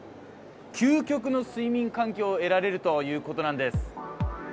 究極の睡眠環境を得られるということなんです。